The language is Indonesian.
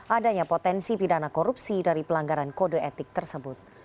adanya potensi pidana korupsi dari pelanggaran kode etik tersebut